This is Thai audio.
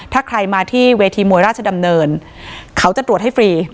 ถ้าใครมาที่เวทีมวยราชดำเนินเขาจะตรวจให้ฟรี